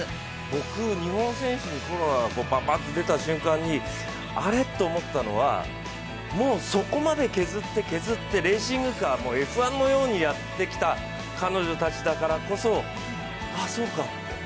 僕、日本選手にコロナがばんばんって出た瞬間にあれ？と思ったのはもうそこまで削って削ってレーシングカーもＦ１のようにやってきた彼女たちだからこそああ、そうかって。